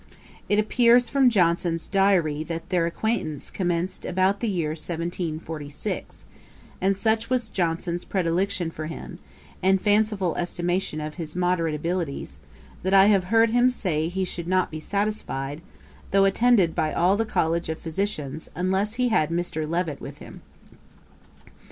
It appears from Johnson's diary that their acquaintance commenced about the year 1746; and such was Johnson's predilection for him, and fanciful estimation of his moderate abilities, that I have heard him say he should not be satisfied, though attended by all the College of Physicians, unless he had Mr. Levet with him.